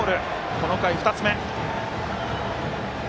この回２つめ。